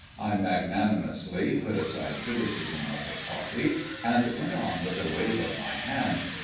I magnanimously put aside criticism of her coffee, and went on with a wave of my hand.